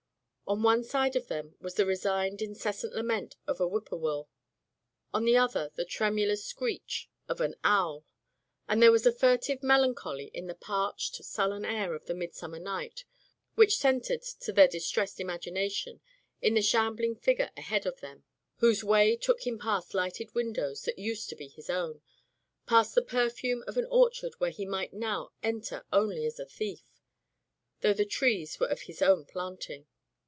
On one side of them was the resigned, incessant lament of a whippoor will, on the other the tremulous screech of an owl, and there was a furtive melancholy in the parched, sullen air of the midsummer night, which centred to their distressed im agination in the shambling figure ahead of [ 328 ] Digitized by LjOOQ IC Turned Out to Grass them, whose way took him past lighted win dows that used to be his own, past the per fume of an orchard where he might now en ter only as a thief, though the trees were of his own planting.